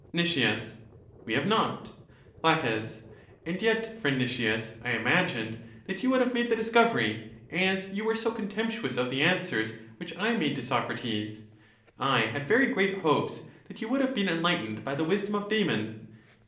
Nic. We have not. La. And yet, friend Nicias, I imagined that you would have made the discovery, as you were so con temptuous of the answers which I made to Socrates. I had very great hopes that you would have been enlightened by the wisdom of Damon.